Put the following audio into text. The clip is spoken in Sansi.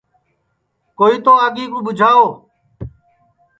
کوئی تو آگی کُو ٻُوجھاؤ